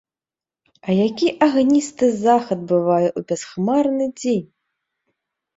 А які агністы захад бывае ў бясхмарны дзень!